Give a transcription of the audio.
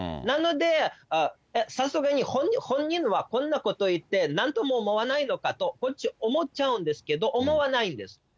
なので、さすがに本人はこんなことを言ってなんとも思わないのかと、こっち、思っちゃうんですけど、思わないんです。